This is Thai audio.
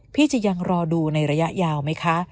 พี่จะยังรอดูในระยะยาวไหมคะ